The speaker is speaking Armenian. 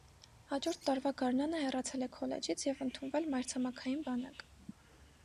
Հաջորդ տարվա գարնանը հեռացել է քոլեջից և ընդունվել մայրցամաքային բանակ։